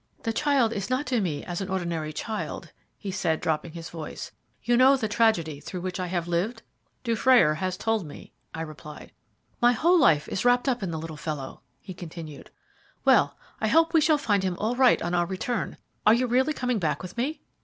"The child is not to me as an ordinary child," he said, dropping his voice. "You know the tragedy through which I have lived?" "Dufrayer has told me," I replied. "My whole life is wrapped up in the little fellow," he continued. "Well, I hope we shall find him all right on our return. Are you really coming back with me?"